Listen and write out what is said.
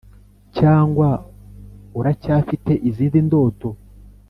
cyangwa uracyafite izindi ndoto?